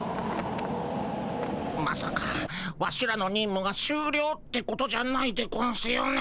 まさかワシらのにんむがしゅうりょうってことじゃないでゴンスよね。